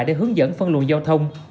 để hướng dẫn phân luận giao thông